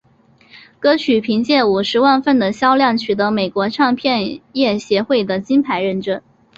歌曲凭借五十万份的销量取得美国唱片业协会的金牌认证。